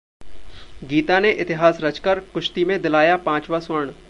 गीता ने इतिहास रचकर कुश्ती में दिलाया पांचवां स्वर्ण